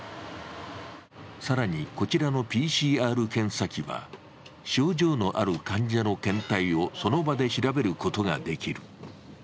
更に、こちらのＰＣＲ検査機は、症状のある患者の検体をその場で調べることができる。